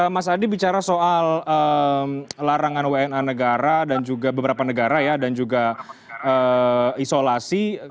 mas adi bicara soal larangan wna negara dan juga beberapa negara ya dan juga isolasi